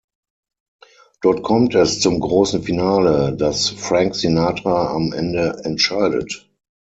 Dort kommt es zum großen Finale, das Frank Sinatra am Ende entscheidet.